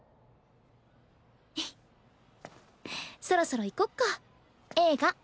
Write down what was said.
そろそろ行こっか映画。